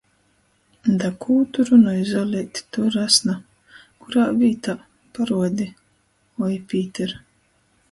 Da kū tu runoj, Zoleit, tu rasna? Kurā vītā? Paruodi! Oi, Pīter!